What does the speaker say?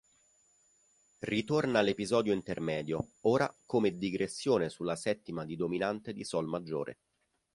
Ritorna l'episodio intermedio ora come digressione sulla settima di dominante di sol maggiore.